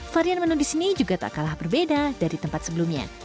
varian menu di sini juga tak kalah berbeda dari tempat sebelumnya